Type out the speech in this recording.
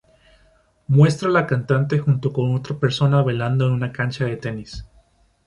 Muestra a la cantante junto con otras personas bailando en una cancha de tenis.